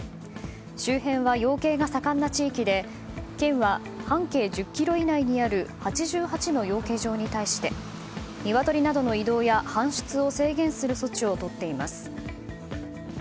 周辺は養鶏が盛んな地域で県は半径１０ｋｍ以内にある８８の養鶏場に対してニワトリなどの移動や搬出を制限する措置をとっています。